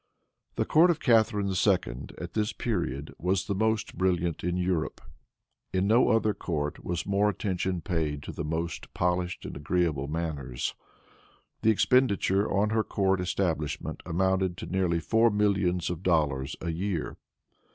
The court of Catharine II. at this period was the most brilliant in Europe. In no other court was more attention paid to the most polished and agreeable manners. The expenditure on her court establishment amounted to nearly four millions of dollars a year.